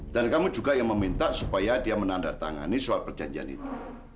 dan kamu juga yang meminta supaya dia menandatangani soal perjanjian itu